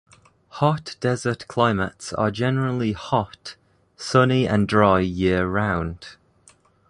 Hot desert climates are generally hot, sunny and dry year-round.